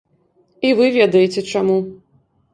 І вы ведаеце чаму.